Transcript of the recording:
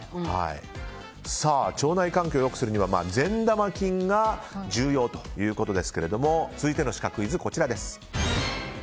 腸内環境を良くするには善玉菌が重要ということですが続いてのシカクイズ、こちらです。